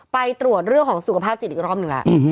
ไปตรวจเรื่องของสุขภาพจิตอีกรอบหนึ่งแล้ว